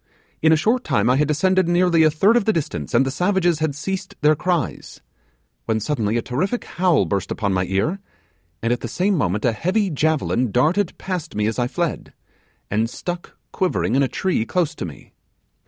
In a short time I had descended nearly a third of the distance, and the savages had ceased their cries, when suddenly a terrific howl burst upon my ear, and at the same moment a heavy javelin darted past me as I fled, and stuck quivering in a tree close to me.